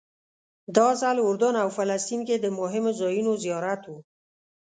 دا ځل اردن او فلسطین کې د مهمو ځایونو زیارت و.